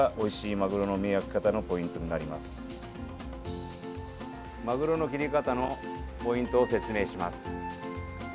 マグロの切り方のポイントを説明します。